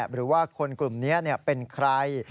หรือว่าคนกลุ่มนี้เป็นใคร